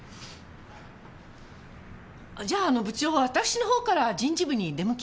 じゃああの部長私のほうから人事部に出向きます。